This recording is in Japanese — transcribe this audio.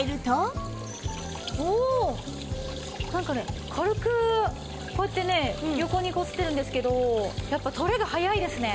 なんかね軽くこうやってね横にこすってるんですけどやっぱ取れが早いですね。